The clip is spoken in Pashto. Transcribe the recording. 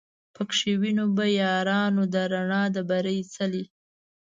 پکښی وینو به یارانو د رڼا د بري څلی